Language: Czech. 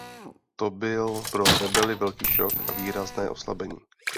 To byl po rebely velký šok a výrazné oslabení.